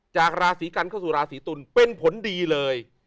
จากราศีกันเข้าสู่ราศีตุลเป็นผลดีเลย